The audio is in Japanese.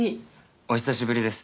お久しぶりです。